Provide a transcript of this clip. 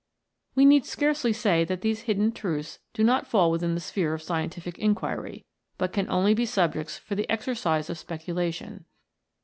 We need scarcely say that these hidden truths do not fall within the sphere of scientific inquiry, but can only be subjects for the exercise of speculation.